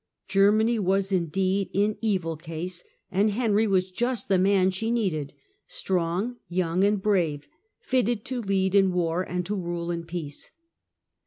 Germany was, indeed, in evil case, and Henry was just the man she needed — strong, young, and brave, fitted to lead in war and to rule in peace.